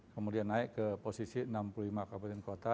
kemudian naik ke posisi enam puluh lima kabupaten kota